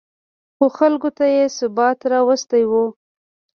خو خلکو ته یې ثبات راوستی و